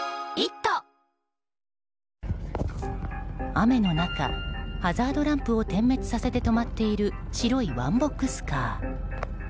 雨の中、ハザードランプを点滅させて止まっている白いワンボックスカー。